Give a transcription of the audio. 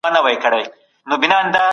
بله ورځ د فارم ډکول.